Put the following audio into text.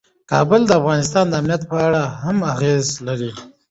کابل د افغانستان د امنیت په اړه هم اغېز لري.